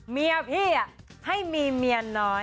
เมียพี่ให้มีเมียน้อย